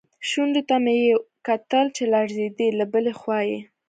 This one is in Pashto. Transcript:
شونډو ته مې یې کتل چې لړزېدلې، له بلې خوا یې.